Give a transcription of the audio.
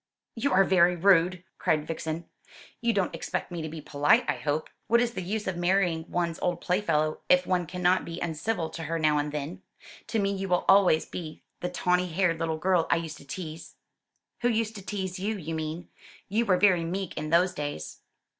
"You are very rude!" cried Vixen. "You don't expect me to be polite, I hope. What is the use of marrying one's old playfellow if one cannot be uncivil to her now and then? To me you will always be the tawny haired little girl I used to tease." "Who used to tease you, you mean. You were very meek in those days."